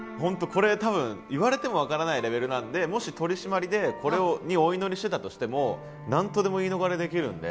これ多分言われても分からないレベルなんでもし取締りでこれにお祈りしてたとしても何とでも言い逃れできるんで。